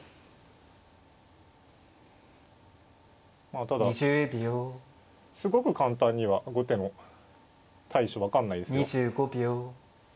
まあただすごく簡単には後手も対処分かんないですよ。